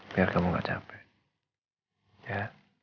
biar kamu gak capek